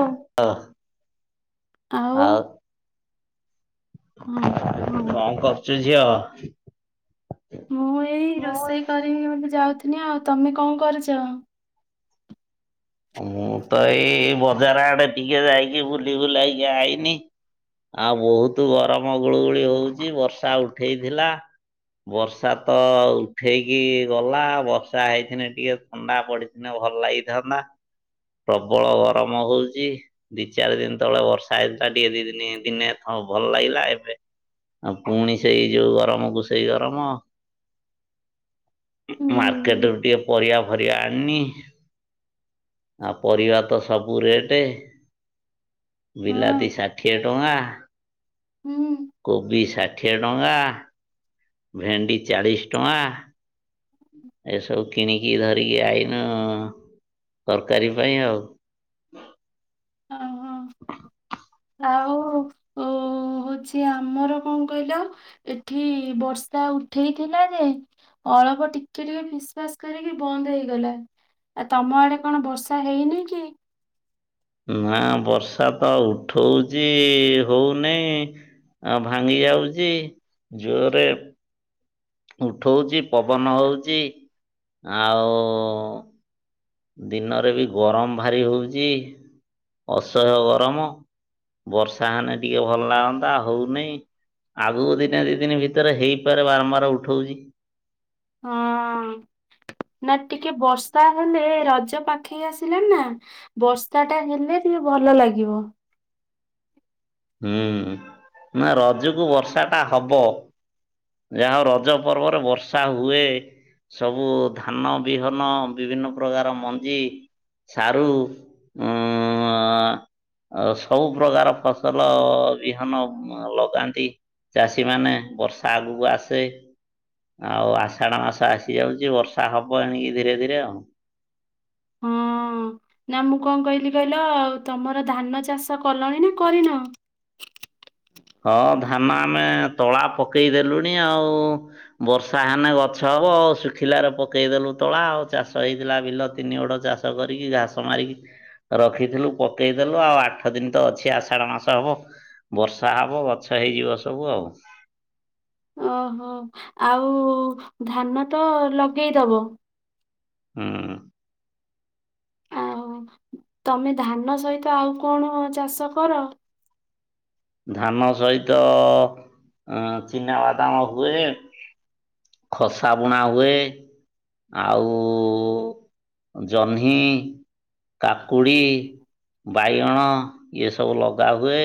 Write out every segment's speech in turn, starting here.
ଓ ଆଉ? ହଁ [unintelligible] କରୁଛୁ ଝିଅ? ମୁଁ ଏଇ ରୋଷେଇ କରିବି ବୋଲି ଯାଉଥି ଲି ଆଉ ତମେ କଣ କରୁଛ? ମୁଁ ତ ଏଇ ବଜାର ଆଡେ ଟିକେ ଯାଇ ବୁଲି ବୁଲାଇକି ଆଇନି, ଆଉ ବହୁତ ଗରମ ଗୁଳୁଗୁଳି ହଉଛି, ବର୍ଷା ଉଠେଇଥିଲା, ବର୍ଷା ତ ଉଠେଇକି ଗଲା ବର୍ଷା ହେଇଥିନେ ଟିକେ ଥଣ୍ଡା ପଡିିଥିନେ ଭଲ ଲାଗିଥାନ୍ତା। ପ୍ରବଳ ଗରମ ହଉଚି। ଦି ଚାରି ଦିନ ତଳେ ବର୍ଷା ସ ଟିକେ ଦି ଦିନି ଦିନେଥ ଭଲ ଲାଗିଲା, ଏବେ ଆଉ ପୁଣି ସେଇ ଯୋଉ ଗରମ କୁ ସେଇ ଗରମ। ହୁଁ ମାର୍କେଟ ରୁ ଟିକେ ପରିବା ଫରିବା ଆଣିନି। ଆ ପରିବା ତ ସବୁ ରେଟ୍। ହଁ ବିଲାତି ଷାଠିଏ ଟ୍ ଟଙ୍କା। ହୁଁ କୋବି ସା ଠିଏ ଟଙ୍ଗା ଭେଣ୍ଡି ଚାଳିଶ ଟଙ୍କା। ଏସବୁ କିଣିକି ଧରିକି ଆଇନୁ, ତରକାରୀ ପାଇଁ ଆଉ। ଓହୋ ଆଉ-ଉ ହଉଛି ଆମର କଣ କହିଲ, ଏଠି ବର୍ଷା ଉଠେଇଥିଲା ଯେ ଅଳ୍ପ ଟିକେ ଟିକେ ଫିସ ଫାସ କରିକି ବନ୍ଦ ହେଇଗଲା, ଆଉ ତମ ଆଡେ କଣ ବର୍ଷା ହେଇନି କି? ନା ବର୍ଷା ତ ଉଠଉଚି ହଉନି, ଭାଙ୍ଗି ଯାଉଚି ଜୋରେ ଉଠଉଛି, ପବନ ହଉଛି, ଆଉ ଦିନରେ ବି ଗରମ ଭାରି ହଉଛି, ଅସହ୍ୟ ଗରମ, ବର୍ଷା ହେଲେ ଟିକେ ଭଲ ଲାଗନ୍ତା, ହଉନାହିଁ, ଆଗକୁ ଦିନେ ଦି ଦିନ ଭିତରେ ହେଇପାରେ ବାରମ୍ବାର ଉଠଉଛି। ହଁ ନା ଟିକେ ବର୍ଷା ହେଲେ ରଜ ପାଖେଇ ଆସିଲାଣି ନା ବର୍ଷା ଟା ହେଲେ ଟିକେ ଭଲ ଲାଗିବ। ହୁଁ ନା ରଜକୁୁ ବର୍ଷା ଟା ହବ। ଯାହା ରଜ ପର୍ବରେ ବର୍ଷା ହୁଏ, ସବୁ ଧାନ ବିହନ ବିଭିନ୍ନ ପ୍ରକାର ମଞ୍ଜି ସାରୁ ଉ-ଉ-ଆ ସବୁ ପ୍ର୍ରକାର ଫସଲ ବିହନ ଲଗାନ୍ତି ଚାଷୀ ମାନେ ବର୍ଷ ତା ଆଗକୁ ଆସେ ଆଉ ଆଷାଢ ମାସ ଆସିଯାଉଛି ବର୍ଷା ହବ ଏଣିକି ଧୀରେ ଧୀରେ ଆଉ। ହଁ ନା ମୁଁ କଣ କହିଲି କହିଲ, ଆଉ ତମର ଧାନ ଚାଷ କଲଣି ନା କରିନ? ହଁ ଧାନ ଆମେ ତଳା ପକେଇଦେଲୁଣି ଆଉ, ବର୍ଷା ହେନେ ଗଛ ହବ ଆଉ, ଶୁଖିଲାରେ ପକେଇଦେଲୁ ତଳା ଆଉ ଚାଷ ହେଇଥିଲା ବିଲ ତିନି ଗୋଡ଼ ଚାଷ କରିକି ଘାସ ମାରିକି ରଖିଥିଲୁ ପକେଇଦେଲୁ, ଆଉ ଆଠ ଦିନ ତ ଅଛି ଆଷାଢ ମାସ ହବ, ବର୍ଷା ଯାହା ହବ ଗଛ ହେଇଯିବ ସବୁ ଆଉ। ଅହ ଆଉ ଧାନ ତ ଲଗେଇଦବ। ହୁଁ। ଆଉ ତମେ ଧାନ ସହିତ ଆଉ କଣ ଚାଷ କର? ଧାନ ସହିତ ଚିନା ବାଦାମ ହୁଏ। ଖସା ବୁଣା ହୁଏ ଆଉ ଜହ୍ନି, କାକୁଡ଼ି, ହଁ ବାଇଗଣ, ଏ ସବୁ ଲଗାହୁୁଏ।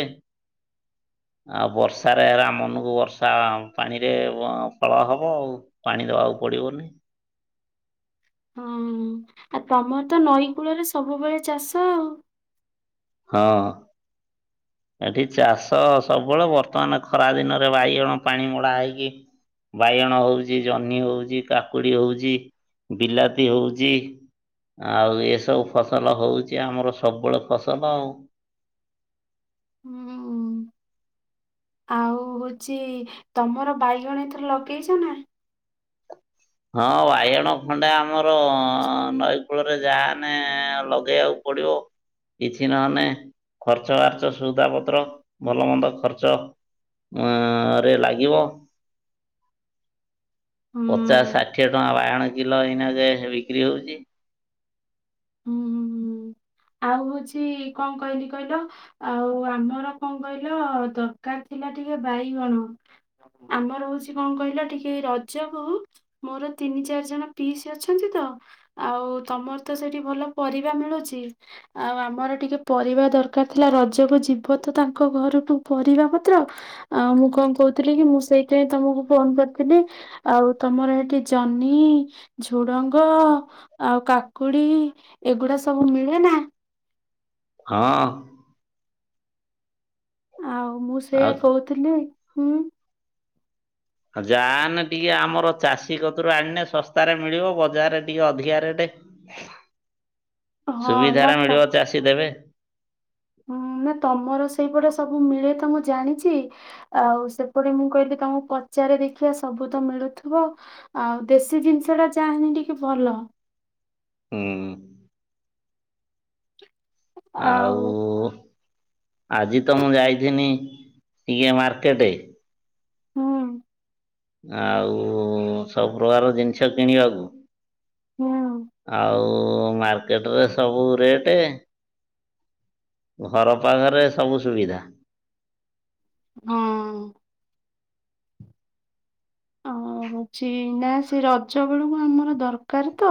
ଆଉ ବର୍ଷାରେ ମନକୁ ବର୍ଷା ପାଣିରେ ଫଳ ହବ ଆଉ। ପାଣି ଦବାକୁ ପଡିବନି। ହଁ। ଆଉ ତମ ତ ନଈ କୂଳରେ ସବୁବେଳେ ଚାଷ ଆଉ। ହଁ। ଏଠି ଚାଷ ସବୁବେଳେ ବର୍ତ୍ତମାନ ଖରା ଦିନରେ ବାଇଗଣ ପାଣି ମଡା ହେଇକି ବାଇଗଣ ହଉଛି, ଜହ୍ନି ହଉଛି, କାକୁଡି ହଉଛି, ବିଲାତି ହଉଚି। ଆଉ ଏସବୁ ଫସଲ ହଉଛି ଆମର ସବୁବେଳେ ଫସଲ ଆଉ। ହୁଁ। ଆଉ ହଉଛି ତମର ବାଇଗଣ ଏଥର ଲଗେଇଛ ନା? ହଁ ବାଇଗଣ ଖଣ୍ଡେ ଆମର ନଈକୂଳରେ ଯାନେ ଲଗେଇବାକୁ ପଡିବ। କିଛି ନହେଲେ ଖର୍ଚ୍ଚ ବାର୍ଚ୍ଚ ସୁବିଧାପତ୍ର ଭଲ ମନ୍ଦ ଖର୍ଚ୍ଚ ଆ ରେ ଲାଗିବ। ଚା ହୁଁ ଷାଠିଏ ଟଙ୍କା ବାଇଗଣ କିଲ ଏହିନା ଯେ ବିକ୍ରି ହଉଛି। ହୁଁ ହୁଁ ହୁଁ। ଆଉ ହଉଛି କଣ କହିଲି କହିଲ। ଆଉ ଆମର କଣ କହିଲ ଦରକାର ଥିଲା ଟିକେ ବାଇଗଣ। ଆମର ହଉଛି କଣ କହିଲ ଟିକେ ରଜ କୁ ମୋର ତିନି ଚାରି ଜଣ ପିଇସି ଅଛନ୍ତିତ ଆଉ ତମର ତ ସେଇଠି ଭଲ ପରିବା ମିଳୁଛି। ଆଉ ଆମର ଟିକେ ପରିବା ଦରକାର ଥିଲା। ରଜକୁ ଯିବ ତ ତାଙ୍କ ଘରକୁ ପରିବା ମାତ୍ର ଆଉ ମୁଁ କଣ କହୁଥିଲି କି ମୁଁ ସେଇଥି ପାଇଁ ତମକୁ ଫୋନ୍ କରିଥିଲି ଆଉ ତମର ହେଠି ଜହ୍ନି, ଝୁଡଙ୍ଗ ଆଉ କାକୁଡି ଏଗୁଡା ସବୁ ମି ନା। ହଁ। ଆଉ ମୁଁ ଆଉ ସେଇଆ କହୁଥିଲି। ହୁଁ। ଯାନେ ଟିକେ ଆମର ଚାଷୀ କତରୁ ଆଣିନେ ଶସ୍ତାରେ ମିଳିବ ବଜାରରେ ଟିକେ ଅଧିକା ରେଟେ। ହଁ ନା ସୁବିଧାରେ ତ ମିଳିବ ଚାଷୀ ଦେବେ। ହୁଁ ନା ତମର ସେଇପଟେ ସବୁ ସବୁ ମିଳେ ତ ମୁଁ ଜାଣିଛି ଆଉସେପଟେ ମୁଁ କହିଲି ତମକୁ ପଚାରେ ଦେଖିଆ ସବୁ ତ ମିଳୁଥିବ ଆଉ ଦେଶୀ ଜିନିଷ ଟା ଯାହାନି ଟିକେ ଭଲ। ହୁଁ। ଆଉ ଆଜି ତ ମୁଁ ଯାଇକିନି ଟିକେ ମାର୍କେଟେ ହୁଁ। ଆଉ ସବୁପକାର ଜିନିଷ କିଣିବାକୁ ହୁଁ ଆଉ ଉ ମାର୍କେଟରେ ସବୁ ରେଟେ ଘର ପାଖରେ ସବୁ ସୁବିଧା। ହଁ। ଓ ହଉଛି ନା ସେ ରଜ ବେଳକୁ ଆମର ଦରକାର ତ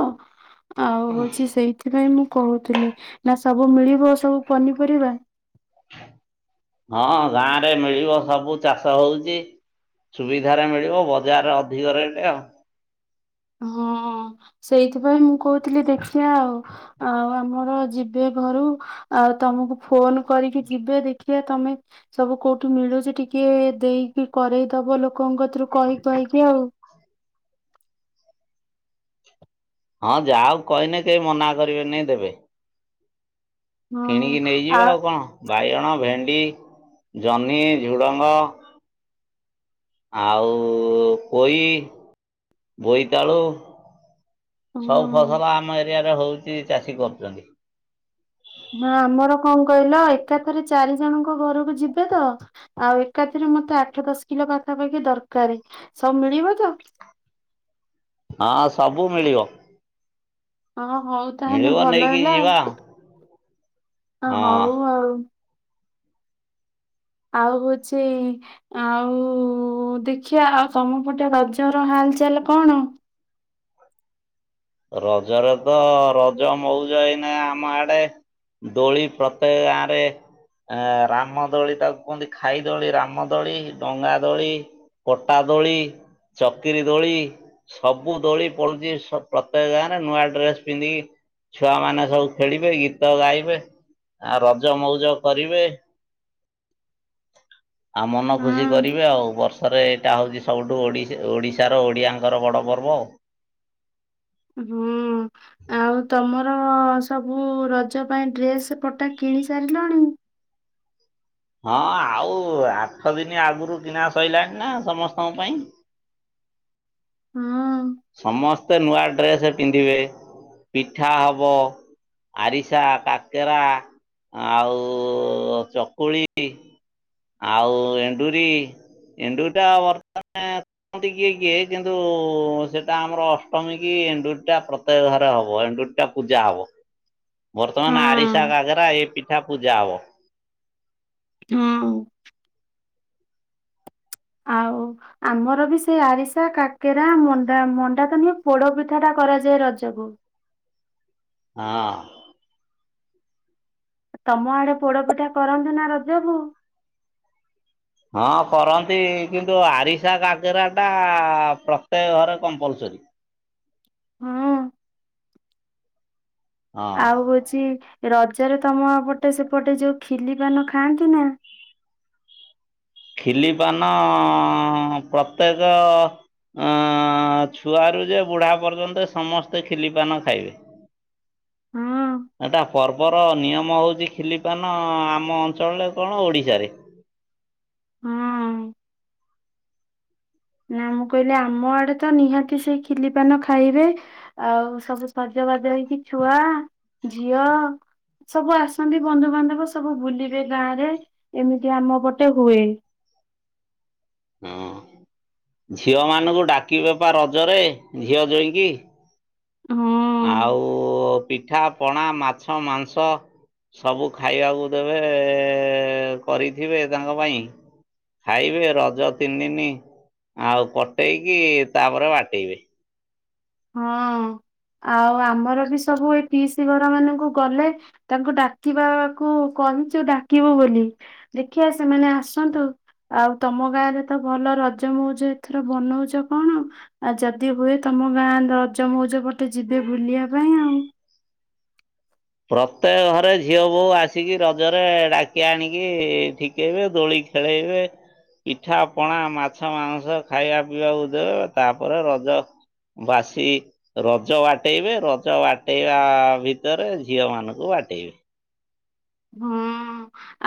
ଆଉ ହଉଛି ସେଇଥିପାଇଁ ମୁଁ କହୁଥିଲି ନା ସବୁ ମିଳିବ ସବୁ ପନିପରିବା ହଁ ଗାଁ ରେ ମିଳିବ ସବୁ ଚାଷ ହଉଛି। ସୁବିଧାରେ ମିଳିବ ବଜାରରେ ଅଧିକ ରେଟ। ହଁ ସେଇଥିପାଇଁ ମୁଁ କହୁଥିଲି ଦେଖିବା ଆଉ। ଆ ଆମର ଯିବେ ଘରୁ ଆଉ ତମକୁ ଫୋନ କରିକି ଯିବେ ଦେଖିବା ତମେ ସବୁ କୋଉଠି ମିଳୁଛି ଟିକେ ଦେଇକି କରେଇଦବ ଲୋ ଲୋକଙ୍କଥିରୁ କହି କହିକି ଆଉ। ହଁ ଯାହାକୁ କହିନେ ସେ ମନା କରିବେନି ଦେବେ। କିଣିକି ହଁ ଆ ନେଇଯିବେ ଆଉ କଣ ବାଇଗଣ, ଭେଣ୍ଡି, ଜହ୍ନି, ଝୁଡ଼ଙ୍ଗ ଆଉ-ଉ-ଉ-ଉପୋଇ ବୋଇତାଳୁ ସବୁ ହଁ ଫସଲ ଆମ ଏ ରିଆରେ ହଉଛି ଚାଷୀ କରୁଛନ୍ତି। ନା ଆମର କଣ କହିଲ ଏକାଥରେ ଚାରି ଜଣଙ୍କ ଘରକୁ ଯିବେତ। ଆଉ ଏକାଥରେ ମତେ ଆଠ ଦଶ କିଲୋ ପାଖାପାଖି ଦରକାର। ସବୁ ମିଳିବ ତ? ହଁ ସବୁ ମିଳିବ। ହଁ ହଉ ତାହେଲେ ମିଳିବ ଭଲ ନେଇକି ହେଲା। ଯିବା ଅ ହଁ। ହଉ ଆଉ। ଆଉ ହଉଛି ଆଉ-ଉ-ଉ-ଉ ଦେଖିବା ଆଉ ତମ ପଟେ ରଜର ହାଲ ଚାଲ କଣ? ରଜରେ ତ ରଜ ମଉଜ ଏଇନା ଆମ ଆଡେ। ଦୋଳି ପ୍ରତ୍ୟେକ ଗାଁ ରେ ଅ ରାମ ଦୋଳି ତାକୁ କୁହନ୍ତି ଖାଇ ଦୋଳି, ରାମ ଦୋଳି, ଡଙ୍ଗା ଦୋଳି, ପଟା ଦୋଳି, ଚକିରି ଦୋଳି ସବୁ ଦୋଳି ପଡୁଛି ଏ ସ ପ୍ରତ୍ୟେକ ଗାଁ ରେ ନୂଆ ଡ୍ରେସ ପିନ୍ଧିକି ଛୁଆମାନେ ସବୁ ଖେଳିବେ, ଗୀତ ଗାଇବେ ଆ ରଜ ମଉଜ କରିବେ ଆଉ ମନ ଖୁସି କରିବେ ଆଉ ବର୍ଷ ରେ ଏଇଟା ହଉଛି ସବୁଠୁ ଓଡିଶ୍ ଓଡ଼ିଶାର ଓଡ଼ିଆଙ୍କର ବଡ଼ ପର୍ବ। ହୁଁ ଆଉ ତମ ର-ଅ-ଅ ସବୁ ରଜ ପାଇଁ ଡ୍ରେସ ପଟା କିଣି ସାରିଲଣି? ହଁ ଆଉ ଆଠ ଦିନ ଆଗରୁ କିଣା ସରିଲାଣି ନା ସମସ୍ତଙ୍କ ପାଇଁ। ହଁ ସମସ୍ତେ ନୂଆ ଡ୍ରେସ ପିନ୍ଧିବେ, ପିଠା ହବ ଆରିସା, କାକେରା ଆଉ-ଉ-ଉ-ଉ ଚକୁଳି, ଆଉ ଏଣ୍ଡୁରି, ଏଣ୍ଡୁରି ଟା ବ [unintelligible] କିଏ କିଏ କିନ୍ତୁ-ଉ-ଉ ସେଟା ଆମର ଅଷ୍ଟମୀ କି ଏଣ୍ଡୁରଟା ପ୍ରତ୍ୟକ ଘରେ ହବ। ଏଣ୍ଡୁରିଟା ପୂଜା ହବ। ବର୍ତ୍ତମାନ ଆରିସା, ହଁ କାକେରା ଏ ପିଠା ପୂ ଜା ହେବ। ହଁ। ଆଉ ଆମର ବି ସେଇ ଆରିସା, କାକେରା, ମଣ୍ଡା, ମଣ୍ଡା ତ ନୁହେ ପୋଡ ପିଠା ଟା କରାଯାଏ ରଜକୁ। ହଁ। ତମ ଆଡେ ପୋଡ ପିଠା କରନ୍ତି ନା ରଜକୁ? ହଁ କରନ୍ତି କିନ୍ତୁ ଆରିସା କାାଗରା ଟା ପ୍ରତ୍ୟେକ ଘରେ କମ୍ପଲସରୀ ହଁ ହଁ ଆଉ କହୁଛି ରଜରେ ତମପଟେ ସେପଟେ ଯୋଉ ଖିଲି ପାନ ଖାଆନ୍ତି ନା? ଖିଲି ପାନ ପ୍ରତ୍ୟେକ ଅ ଛୁଆ ର ଯେ ବୁଢା ପର୍ଯ୍ୟନ୍ତ ସମସ୍ତେ ଖିଲି ପାନ ଖାଇବେ? ହଁ ତା ପର୍ବର ନିୟମ ହଉଛି ଖିଲିପାନ ଆମ ଅଞ୍ଚଳରେ କଣ ଓଡିଶାରେ? ହଁ ନା ମୁଁ କହିଲି ଆମ ଆଡେ ତ ନିହାତି ସେଇ ଖିଲି ପାନ ଖାଇବେ ଆଉ ସବୁ ସଜବାଜ ହେଇକି ଛୁଆ ଝିଅ ସବୁ ଆସନ୍ତି ବନ୍ଧୁବାନ୍ଧବ ସବୁ ବୁଲିବେ ଗାଁ ରେ ଏମିତି ଆମ ପଟେ ହୁଏ? ହଁ ଝିଅ ମାନଙ୍କୁ ଡାକିବେପ ରଜରେ ଝିଅ ଜଇକି! ହୁଁ- ଆଉ ପିଠା ପଣା ମାଛ ମାଂସ ସବୁ ଖାଇବାକୁ ଦେବେ କରିଥିବେ ତାଙ୍କ ପାଇଁ ଖାଇବେ ରଜ ତିନି ଦିନ ଆଉ କଟେଇକି ତାପରେ ବାଟେଇବେ? ହଁ ଆଉ ଆମର ବି ସବୁ ଏ ଟି ସି ଘର ମାନଙ୍କୁ ଗଲେ ତାଙ୍କୁ ଡାକିବାକୁ କହିଛୁ ଡାକିବୁ ବୋଲି ଦେଖିବା ସେମାନେ ଆସନ୍ତୁ ଆଉ ତମ ଗାଁରେ ତ ଭଲ ରଜ ମଉଜ ଏଥର ବନଉଛ କଣ ଆଉ ଯଦି ହୁଏ ତମ ଗାଁ ରଜ ମଉଜ ପଟେ ଯିବେ ବୁଲିବା ପାଇଁ ଆଉ? ପ୍ରତ୍ୟେକ ଘରେ ଝିଅ ବୋହ ଆସିକି ରଜରେ ଡାକି ଆଣିକି ଠିକେଇବେ ଦୋଳି ଖେଳେଇବେ ପିଠା ପଣା ମାଛ ମାଂସ ଖାଇବା ପିଇବାକୁ ଦେବେ ତାପରେ ରଜ ବାସି ରଜ ବାଟେଇବେ ରଜ ବାଟେଇବା ଭିତରେ! ଝିଅ ମାନଙ୍କୁ ବାଟେଇବି? ହଁ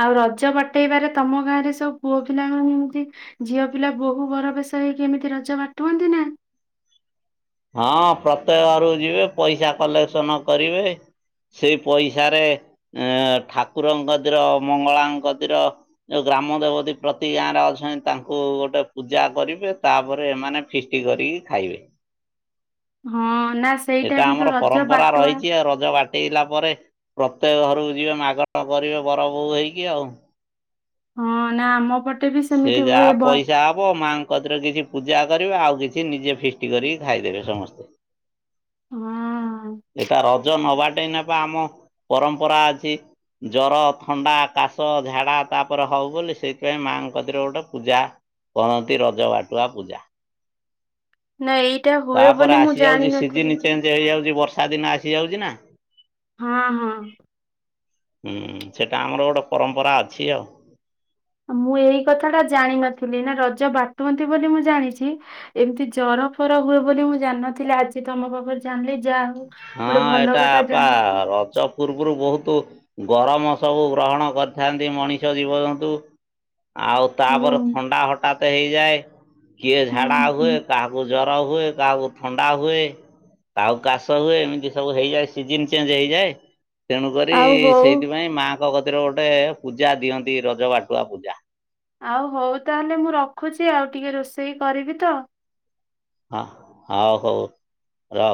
ଆଉ ରଜ ବାଟେଇବାରେ ତମ ଗାଁ ରେ ସବୁ ପୁଅ ପିଲାମାନେ ଯେମତି ଝିଅ ପିଲା ବୋହୁ ବର ବସ ହେଇକି ଏମିତି ରଜ ବାଟୁଅନ୍ତି ନା? ହଁ ପ୍ରତ୍ୟେକ ଘରୁ ଯିବେ ପଇସା କଲେକ୍ସନ କରିବେ ସେଇ ପଇସାରେ ଠାକୁରଙ୍କ ଦର ମଙ୍ଗଳାଙ୍କ ଦର ଯୋଉ ଗ୍ରାମ ଦେବତୀ ପ୍ରତି ଗାଁରେ ଅଛନ୍ତି ତାଙ୍କୁ ଗୋଟେ ପୂଜା କରିବେ ତାପରେ ଏମାନେ ଫିଷ୍ଟି କରିକି ଖାଇବେ? ହଁ ନା ସେଇଟା ଏଇଟା କିନ୍ତୁ ଆମର ରଜ ପରମ୍ପରା ବାଟୁଆ ରହିଛି ରଜ ବାଟ! ହେଇଲା ପରେ ପ୍ରତ୍ୟେକ ଘରକୁ ଯିବେ ମାଗଣା କରିବେ ବର ବୋୂ ହେଇକି ଆଉ! ହଁ ନା ଆମ ପଟେ? ବି ସେ ସେମିତି ହୁଏ ଯାହା ବ ପଇସା ହବ ମାଙ୍କ ରେ କିଛି ପୂଜା? କରିବ ଆଉ କିଛି ନିଜେ ଫିଷ୍ଟି କରି ଖାଇଦେବେ ସମସ୍ତେ ହଁ ଏଟ ରଜ ନବାଟ ନେବା ଆମ ପରମ୍ପରା ଅଛି ଜର ଥଣ୍ଡା କାଶ ଝାଡା ତାପରେ ହଉ ବୋଲି ସେଇଥିପାଇଁ ମା! ଗପତିରେ ଗୋଟେ ପୂଜା କରନ୍ତି ରଜ ବାଟୁଆ ପୂଜା ନା ଏଇଟା ହୁଏ ତାପରେ ବୋଲି ମୁଁ ଆସିଯାଉଛି ସିଜିନ ଜାଣିନଥିଲି? ଚେଞ୍ଜ ହେଇଯାଉଛି ବର୍ଷା ଦିନ ଆସିଯାଉଛି ନା ହଁ ହଁ ହୁଁ ସେଟା ଆମର ଗୋଟେ ପରମ୍ପରା ଅଛି ଆଉ? ମୁଁ ଏଇ କଥା ଟା ଜାଣିନଥିଲି ନା ରଜ ବାଟୁନ୍ତି ବୋଲି ମୁଁ ଜାଣିଛି ଏମିତି ଜର ଫର ହୁଏ ବୋଲି ମୁଁ ଜାଣିନଥିଲି ଆଜି ତମ ପାଖରେ ଜାଣିଲି? ଯାହା ହଉ ହଁ ଗୋଟେ ଭଲ କଥା ଏଇଟାପା ଜାଣିଲି ରଜ ପୂର୍ବରୁ ବହୁତ ଗରମ ସବୁ ଗ୍ରହଣ କରିଥାନ୍ତି ମଣିଷ ଜୀବନ୍ତୁ ଆଉ ହୁଁ ତାପରେ ଥଣ୍ଡା ହଠାତ୍ କହିଯାଏ କିଏ ଝାଡା ହୁଁ ହୁଏ କାହାକୁ ଜର ହୁଏ କାହାକୁ ଥଣ୍ଡା ହୁଏ କାହା କାସ ହୁଏ ଏମିତି ସବୁ ହେଇଯାଏ ସିଜନ ଚେଞ୍ଜ ହେଇଯାଏ। ତେଣୁକରି ଆଉ ହଉ ସେଇଥିପାଇଁ ମା ଙ୍କ କତିର ଗୋଟେ ପୂଜା ଦିଅନ୍ତି ରଜ ବାଟୁଆ ପୂଜା। ଆଉ ହଉ ତାହେଲେ ମୁଁ ରଖୁଚି ଆଉ ଟିକେ ରୋଷେଇ କରିବି ତ। ହଁ ହ ହୋଉ ର।